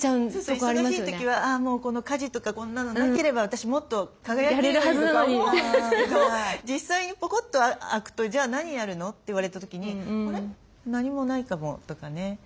忙しい時は「あもうこの家事とかこんなのなければ私もっと輝けるのに」とか思うんですけど実際にポコッと空くと「じゃあ何やるの？」って言われた時に「あれ？何もないかも」とかね。